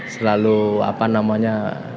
selalu apa namanya